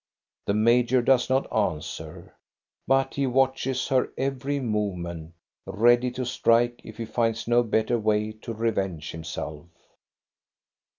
The major does not answer, but he watches her every movement, ready to strike if he finds no better way to revenge himself.